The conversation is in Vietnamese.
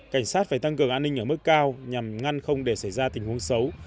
cảnh sát phải tăng cường an ninh ở mức cao nhằm ngăn không để xảy ra tình huống xấu